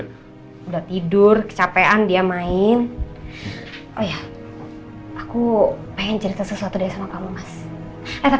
tidur ya udah tidur kecapean dia main oh ya aku pengen cerita sesuatu deh sama kamu mas tapi